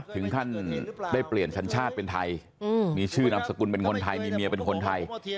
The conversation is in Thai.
ถึงขั้นได้เปลี่ยนสัญชาติเป็นไทยมีชื่อนามสกุลเป็นคนไทยมีเมียเป็นคนไทย